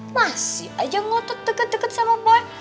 masih aja ngotot deket deket sama boy